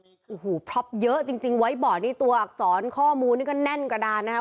โอ้โหพล็อปเยอะจริงไว้บ่อนี้ตัวอักษรข้อมูลนี่ก็แน่นกระดานนะครับ